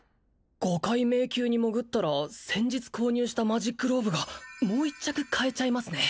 ５回迷宮に潜ったら先日購入したマジックローブがもう一着買えちゃいますね